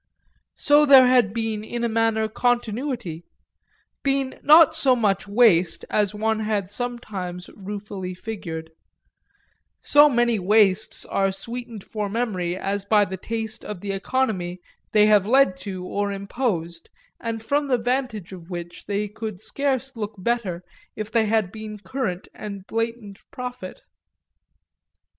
So there had been in a manner continuity, been not so much waste as one had sometimes ruefully figured; so many wastes are sweetened for memory as by the taste of the economy they have led to or imposed and from the vantage of which they could scarce look better if they had been current and blatant profit.